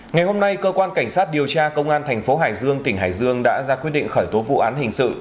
ngày hôm nay cơ quan cảnh sát điều tra công an thành phố hải dương tỉnh hải dương đã ra quyết định khởi tố vụ án hình sự